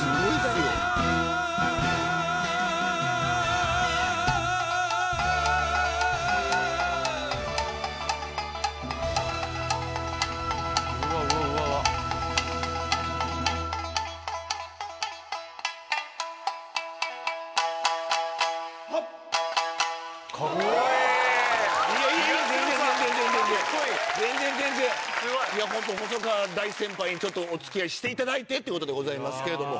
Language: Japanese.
いやホント細川大先輩にお付き合いしていただいてってことでございますけれども。